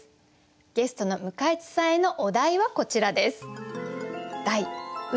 ゲストの向井地さんへのお題はこちらです。